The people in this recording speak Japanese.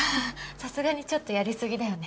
さすがにちょっとやりすぎだよね。